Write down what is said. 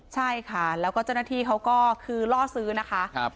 ใช่ค่ะแล้วก็เจ้าหน้าที่เขาก็คือล่อซื้อนะคะ